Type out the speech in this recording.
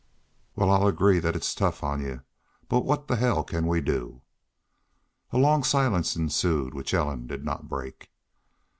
"Wal, I'll agree that it's tough on y'u. But what the hell CAN we do?" A long silence ensued which Ellen did not break.